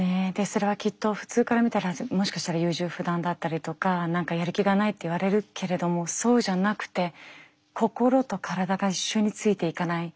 それはきっと普通から見たらもしかしたら優柔不断だったりとか何かやる気がないって言われるけれどもそうじゃなくて心と体が一緒についていかない。